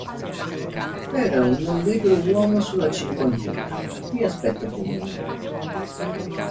Era un allegro uomo sulla cinquantina, di aspetto comune.